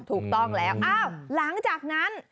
ถูกต้องแล้วอ้าวหลังจากนั้น